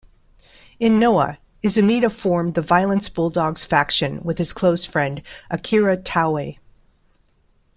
In Noah, Izumida formed the Violence Bulldogs faction with his close friend, Akira Taue.